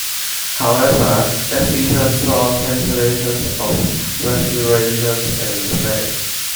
However, that season saw cancellations of "Resurrection" and "Revenge".